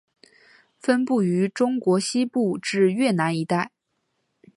分布于中国西部至越南一带。